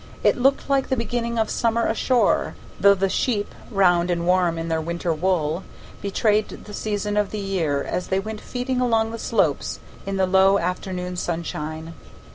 It looked like the beginning of summer ashore, though the sheep, round and warm in their winter wool, betrayed the season of the year as they went feeding along the slopes in the low afternoon sunshine.